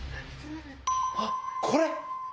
あっ、これ。